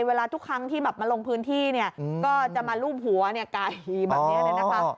เวลาทุกครั้งที่แบบมาลงพื้นที่เนี่ยก็จะมารูปหัวไก่แบบนี้เลยนะคะ